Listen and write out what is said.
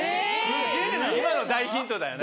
今の大ヒントだよね。